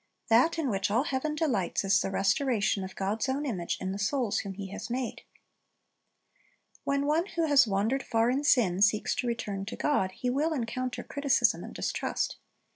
That in which all heaven delights is the restoration of God's own image in the souls whom He has made. When one who has wandered far in sin, seeks to return to God, he will encounter criticism and distrust.